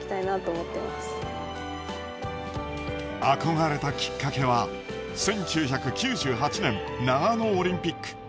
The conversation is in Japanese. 憧れたきっかけは１９９８年長野オリンピック。